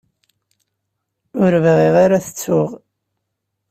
Ur bɣiɣ ara ad t-ttuɣ.